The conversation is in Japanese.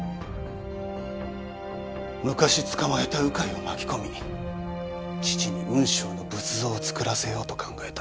昔捕まえた鵜飼を巻き込み父に雲尚の仏像をつくらせようと考えたんだ。